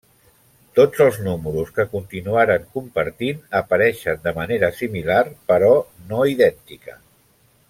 Tots els números que continuaren compartint apareixen de manera similar, però no idèntica.